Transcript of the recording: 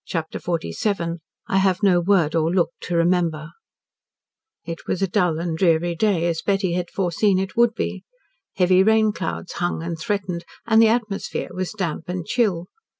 CHAPTER XLVII "I HAVE NO WORD OR LOOK TO REMEMBER" It was a dull and dreary day, as Betty had foreseen it would be. Heavy rain clouds hung and threatened, and the atmosphere was damp and chill.